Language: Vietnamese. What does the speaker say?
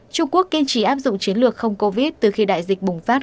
trung quốc kiên trì áp dụng chiến lược không covid từ khi đại dịch bùng phát